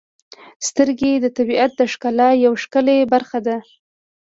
• سترګې د طبیعت د ښکلا یو ښکلی برخه ده.